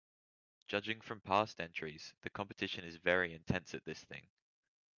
Judging from past entries, the competition is very intense at this thing.